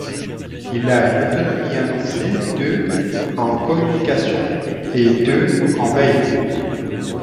Il a une autonomie annoncée de en communications et de en veille.